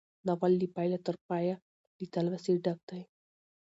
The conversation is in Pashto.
ناول له پيله تر پايه له تلوسې ډک دی.